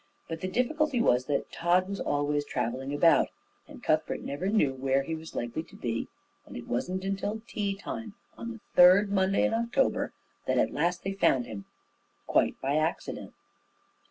But the difficulty was that Tod was always travelling about, and Cuthbert never knew where he was likely to be; and it wasn't until tea time on the third Monday of October that at last they found him, quite by accident.